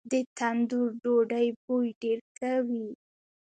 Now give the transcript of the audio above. د تندور ډوډۍ بوی ډیر ښه وي.